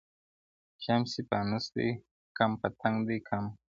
شمع سې پانوس دي کم پتنګ دي کم؛